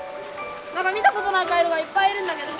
何か見たことないカエルがいっぱいいるんだけど。